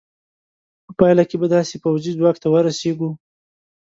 په پایله کې به داسې پوځي ځواک ته ورسېږې.